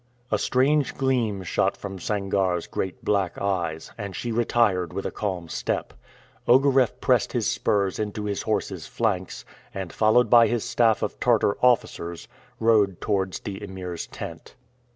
A strange gleam shot from Sangarre's great black eyes, and she retired with a calm step. Ogareff pressed his spurs into his horse's flanks, and, followed by his staff of Tartar officers, rode towards the Emir's tent.